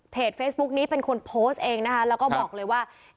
เฟซบุ๊กนี้เป็นคนโพสต์เองนะคะแล้วก็บอกเลยว่า